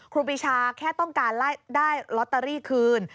ครูปีชาแค่ต้องการได้ลอตเตอรี่คืน